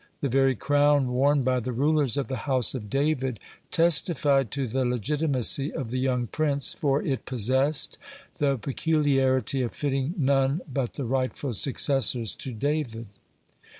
The very crown worn by the rulers of the house of David testified to the legitimacy of the young prince, for it possessed the peculiarity of fitting none but the rightful successors to David.